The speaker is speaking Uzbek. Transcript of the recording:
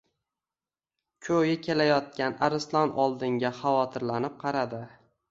Ko‘yi kelayotgan arslon oldinga xavotirlanib qaradi.